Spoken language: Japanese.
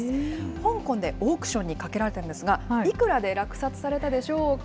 香港でオークションにかけられたんですが、いくらで落札されたでしょうか。